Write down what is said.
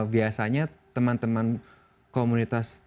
biasanya teman teman komunitas tuna netra itu